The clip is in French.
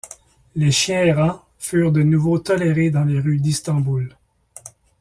Les chiens errants furent de nouveau tolérés dans les rues d'Istanbul.